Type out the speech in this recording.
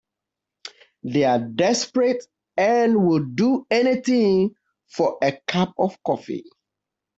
They're desperate and will do anything for a cup of coffee.